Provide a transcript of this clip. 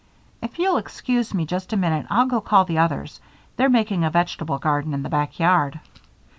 If you'll excuse me just a minute I'll go call the others they're making a vegetable garden in the back yard."